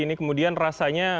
ini kemudian rasanya